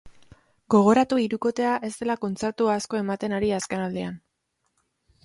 Gogoratu hirukotea ez dela kontzertu asko ematen ari azken aldian.